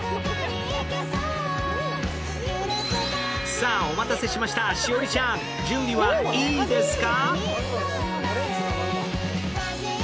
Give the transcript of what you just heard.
さあ、お待たせしました栞里ちゃん、準備はいいですか？